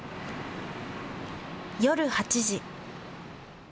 夜８時。